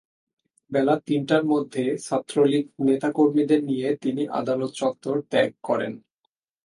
বেলা তিনটার মধ্যে ছাত্রলীগের নেতা কর্মীদের নিয়ে তিনি আদালত চত্বর ত্যাগ করেন।